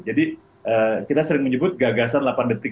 jadi kita sering menyebut gagasan delapan detik